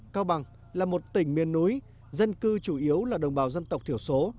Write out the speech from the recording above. cao bằng là một tỉnh miền núi dân cư chủ yếu là đồng bào dân tộc thiểu số